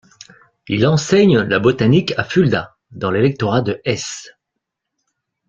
Il enseigne la botanique à Fulda dans l'électorat de Hesse.